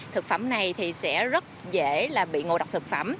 thực phẩm này thì sẽ rất dễ là bị ngộ độc thực phẩm